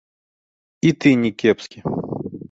І ты не кепскі.